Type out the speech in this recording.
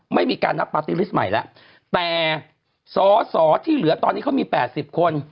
ไม่มีการรับปาร์ติฤทธิ์ใหม่แล้วแต่สอสอที่เหลือตอนนี้เขามีแปดสิบคน